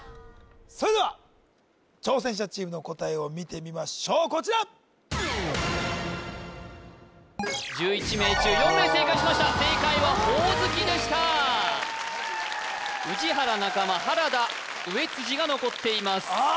それでは挑戦者チームの答えを見てみましょうこちら１１名中４名正解しました正解はほおずきでした宇治原中間原田上辻が残っていますああ